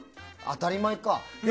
当たり前か。